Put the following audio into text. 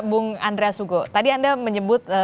bung andra sugo tadi anda menyebut